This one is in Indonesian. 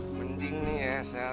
mending nih ya sel